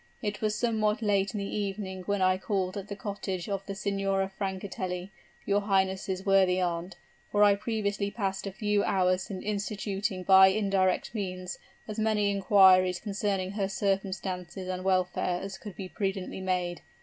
It was somewhat late in the evening when I called at the cottage of the Signora Francatelli, your highness' worthy aunt; for I previously passed a few hours in instituting by indirect means as many inquiries concerning her circumstances and welfare as could be prudently made.